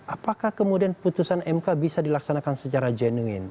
apakah kemudian putusan mk bisa dilaksanakan secara genuin